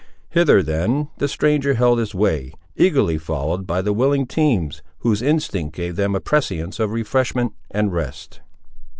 Hither, then, the stranger held his way, eagerly followed by the willing teams, whose instinct gave them a prescience of refreshment and rest.